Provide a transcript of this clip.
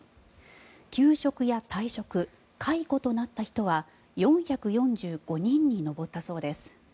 休職や退職、解雇となった人は４４５人に上ったそうです。